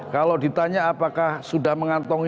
kalau ditanya apakah sudah mengantongi